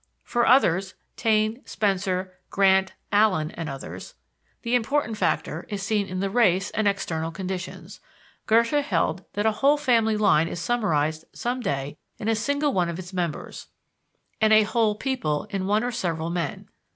For others (Taine, Spencer, Grant, Allen, et al.), the important factor is seen in the race and external conditions. Goethe held that a whole family line is summarized some day in a single one of its members, and a whole people in one or several men.